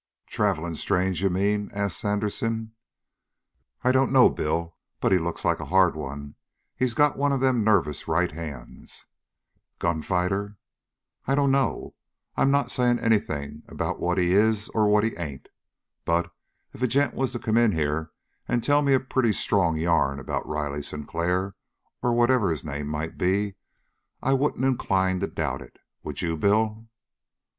"Traveling strange, you mean?" asked Sandersen. "I dunno, Bill, but he looks like a hard one. He's got one of them nervous right hands." "Gunfighter?" "I dunno. I'm not saying anything about what he is or what he ain't. But, if a gent was to come in here and tell me a pretty strong yarn about Riley Sinclair, or whatever his name might be, I wouldn't incline to doubt of it, would you, Bill?"